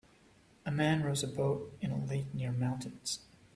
A man rows a boat in a lake near mountains.